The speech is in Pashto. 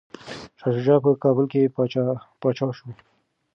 شاه شجاع په کابل کي پاچا شو.